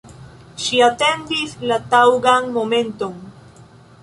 Ŝi atendis la taŭgan momenton.